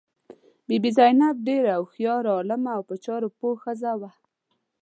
بي بي زینب ډېره هوښیاره، عالمه او په چارو پوه ښځه وه.